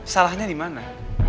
salahnya di mana